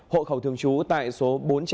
hộ khẩu thường trú tại số bốn trăm tám mươi sáu